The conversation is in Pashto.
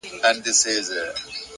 د زغم ځواک شخصیت لوړه وي!.